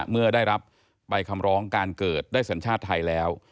เมื่อได้รับใบคำร้องการเกิดได้สัญชาติไทยแล้ว